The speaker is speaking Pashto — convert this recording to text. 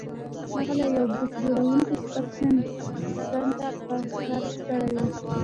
هغه له یوه بوټ جوړوونکي شپږ سنټه قرض کړي وو